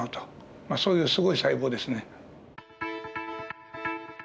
そういうすごい細胞ですね。